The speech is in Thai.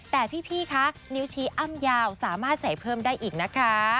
แต่พี่คะนิ้วชี้อ้ำยาวสามารถใส่เพิ่มได้อีกนะคะ